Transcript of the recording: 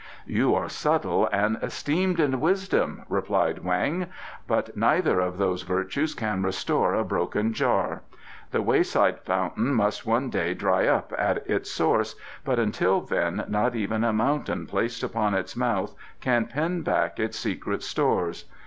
"You are subtle and esteemed in wisdom," replied Weng, "but neither of those virtues can restore a broken jar. The wayside fountain must one day dry up at its source, but until then not even a mountain placed upon its mouth can pen back its secret stores.